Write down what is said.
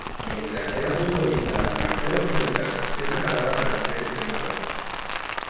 Mientras era futbolista Marcelo Fleitas se preparaba para ser entrenador.